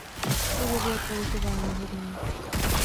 To by bylo politováníhodné.